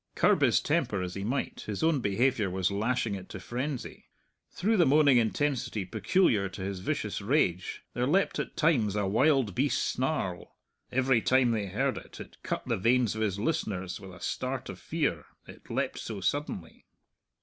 Curb his temper as he might, his own behaviour was lashing it to frenzy. Through the moaning intensity peculiar to his vicious rage there leapt at times a wild beast snarl. Every time they heard it, it cut the veins of his listeners with a start of fear it leapt so suddenly.